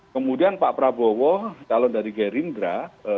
kemudian pak prabowo calon dari gerindra